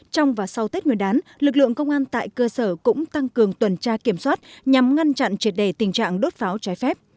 trong và sau tết nguyên đán lực lượng công an tại cơ sở cũng tăng cường tuần tra kiểm soát nhằm ngăn chặn triệt đề tình trạng đốt pháo trái phép